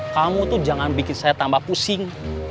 kamu tuh jangan bikin saya tambah pusing